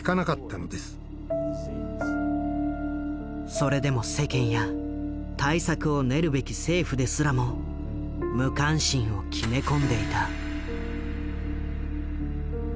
それでも世間や対策を練るべき政府ですらも無関心を決め込んでいた。